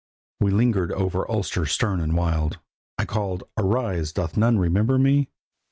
We lingered over Ulster stern and wild. I called: "Arise! doth none remember me?"